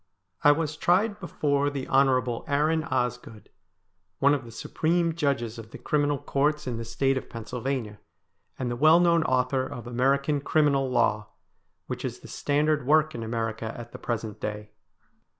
I was tried before the Hon. Aaron Osgood, one of the Supreme Judges of the Criminal Courts in tbe State of Pennsylvania, and the well known author of ' American Criminal Law, which is the standard work in America at the present day.